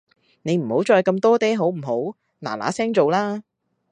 你唔好再咁多嗲好唔好，嗱嗱聲做啦